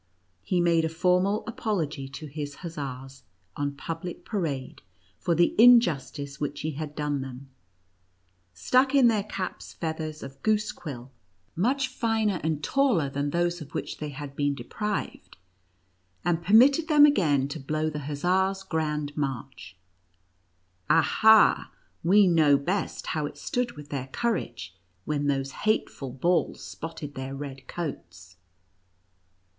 He made a formal apology to his hussars, on public parade, for the injustice which he had done them; stuck in their caps feathers of goose quill, much finer 134 NUTCRACKER AND MOUSE KINO. and taller than those of which they had been deprived; and permitted them again to blow the Hussar's Grand March. Ah, ha ! we know best how it stood with their courage, when those hateful balls spotted their red coats